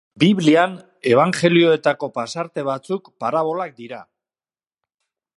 Biblian Ebanjelioetako pasarte batzuk parabolak dira.